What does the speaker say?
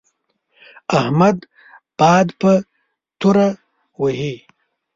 احمد باد په توره وهي.